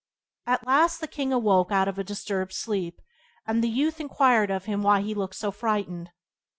At last the king awoke out of a disturbed sleep, and the youth inquired of him why he looked so frightened.